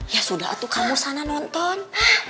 ya sudah tuh kamu sana nonton